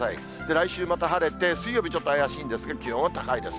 来週また晴れて、水曜怪しいんですが、気温は高いです。